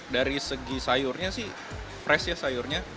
dari segi sayurnya sih fresh ya sayurnya